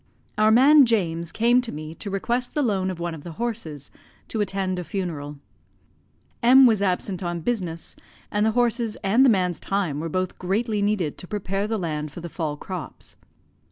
Our man James came to me to request the loan of one of the horses, to attend a funeral. M was absent on business, and the horses and the man's time were both greatly needed to prepare the land for the fall crops.